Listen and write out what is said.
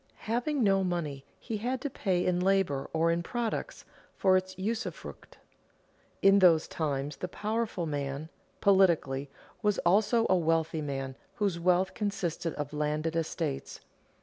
Having no money he had to pay in labor or in products, for its usufruct. In those times the powerful man, politically, was also a wealthy man whose wealth consisted of landed estates.